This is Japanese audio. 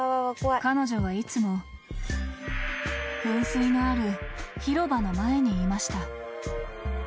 ［彼女はいつも噴水のある広場の前にいました］